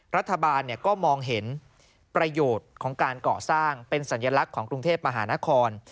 รัฐบาลก็มองเห็นประโยชน์ของการก่อสร้างเป็นสัญลักษณ์ของกรุงเทพมหานคร